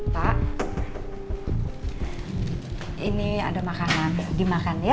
pak ini ada makanan dimakan ya